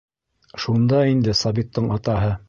Шунда инде Сабиттың атаһы!